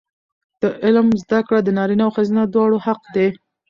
د علم زده کړه د نارینه او ښځینه دواړو حق دی.